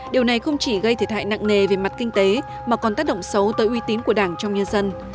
điều này không chỉ gây thiệt hại nặng nề về mặt kinh tế mà còn tác động xấu tới uy tín của đảng trong nhân dân